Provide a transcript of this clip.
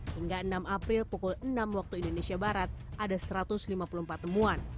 hingga enam april pukul enam waktu indonesia barat ada satu ratus lima puluh empat temuan